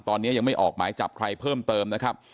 ตอนนี้ยังไม่ออกหมายจับใครเพิ่มเติมนะครับ